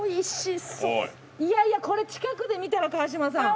いやいやこれ近くで見たら川島さん。